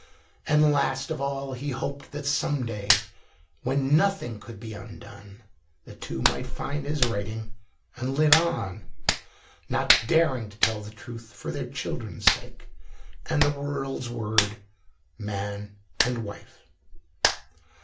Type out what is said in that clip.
And, last of all, he hoped that some day, when nothing could be undone, the two might find his writing and live on, not daring to tell the truth for their children's sake and the world's word, man and wife.